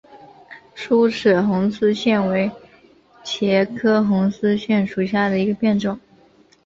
疏齿红丝线为茄科红丝线属下的一个变种。